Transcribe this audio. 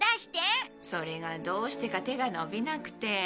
それがどうしてか手が伸びなくて。